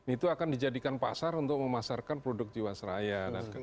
itu akan dijadikan pasar untuk memasarkan produk jawa seraya